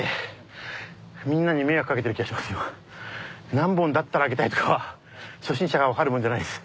何本だったら上げたいとかは初心者が分かるもんじゃないっす。